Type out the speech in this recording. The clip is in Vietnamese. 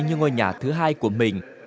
là nhà thứ hai của mình